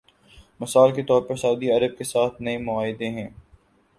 مثال کے طور پر سعودی عرب کے ساتھ نئے معاہدے ہیں۔